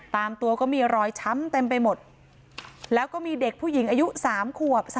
ตามตัวก็มีรอยช้ำเต็มไปหมดแล้วก็มีเด็กผู้หญิงอายุ๓ขวบ